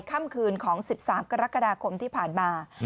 ค่ำคืนของ๑๓กรกฎาคมที่ผ่านมา